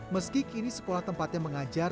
meski kini sekolah tempatnya mengajar